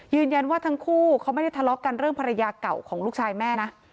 ทั้งคู่เขาไม่ได้ทะเลาะกันเรื่องภรรยาเก่าของลูกชายแม่นะ